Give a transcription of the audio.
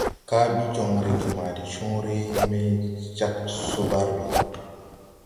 Kaa ɓi joŋ reege ma de cõõre me jāg so barɓi.